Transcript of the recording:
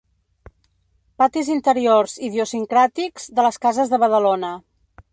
Patis interiors idiosincràtics de les cases de Badalona.